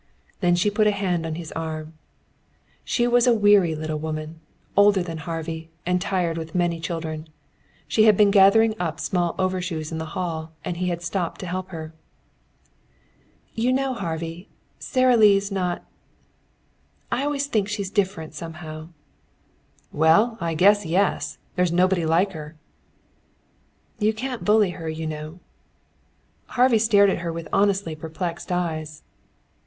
Then she put a hand on his arm. She was a weary little woman, older than Harvey, and tired with many children. She had been gathering up small overshoes in the hall and he had stopped to help her. "You know, Harvey, Sara Lee's not I always think she's different, somehow." "Well, I guess yes! There's nobody like her." "You can't bully her, you know." Harvey stared at her with honestly perplexed eyes.